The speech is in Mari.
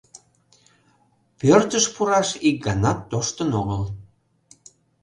Пӧртыш пураш ик ганат тоштын огыл.